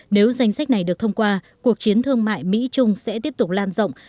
nếu danh sách này được thông qua cuộc chiến thương mại mỹ trung sẽ tiếp tục lan rộng